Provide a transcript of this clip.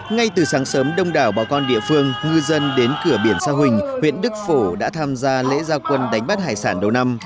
ngay từ sáng sớm đông đảo bà con địa phương ngư dân đến cửa biển sa huỳnh huyện đức phổ đã tham gia lễ gia quân đánh bắt hải sản đầu năm